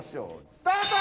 スタート！